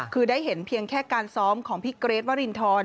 คือได้เห็นเพียงแค่การซ้อมของพี่เกรทวรินทร